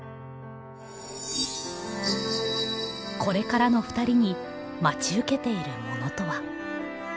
これからのふたりに待ち受けているものとは？